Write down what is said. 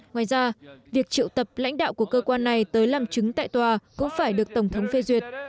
ngoài ra việc triệu tập lãnh đạo của cơ quan này tới làm chứng tại tòa cũng phải được tổng thống phê duyệt